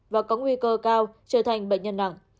và có nguy cơ cao trở thành bệnh nhân nặng